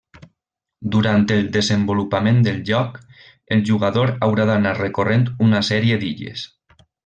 Durant el desenvolupament del joc, el jugador haurà d'anar recorrent una sèrie d'illes.